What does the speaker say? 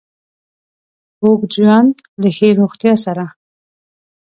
اوږد ژوند له له ښې روغتیا سره